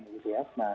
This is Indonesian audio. kita bicara kesehatan